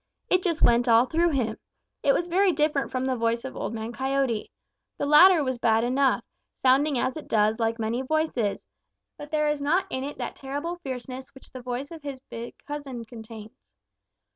It just went all through him. It was very different from the voice of Old Man Coyote. The latter is bad enough, sounding as it does like many voices, but there is not in it that terrible fierceness which the voice of his big cousin contains.